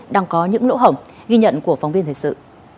đang có những lỗ hổng ghi nhận của phóng viên thời sự